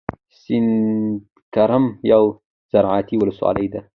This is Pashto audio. سیدکرم یوه زرعتی ولسوالۍ ده.